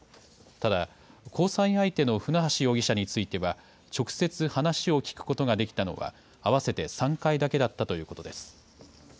ただ、交際相手の船橋容疑者については直接話を聞くことができたのは、合わせて３回だけだったということです。